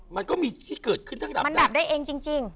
มันก็มีที่เกิดขึ้นทั้งดับมันดับได้เองจริง